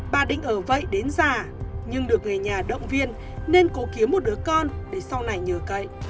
bà định ở vậy đến già nhưng được người nhà động viên nên cố kiếm một đứa con để sau này nhờ cậy